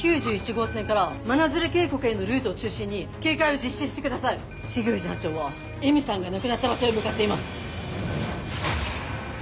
号線から真鶴渓谷へのルートを中心に警戒を実施してください重藤班長は恵美さんが亡くなった場所へ向かっています。